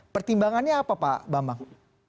pertimbangannya apa pak bambang